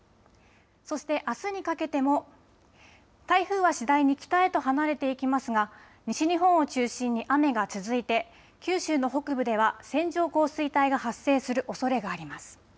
そして、あすにかけても台風は次第に、北へと離れていきますが西日本を中心に雨が続いて九州の北部では線状降水帯が発生するおそれがあります。